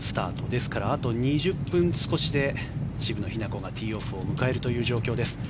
ですから、あと２０分少しで渋野日向子がティーオフを迎えるという状況です。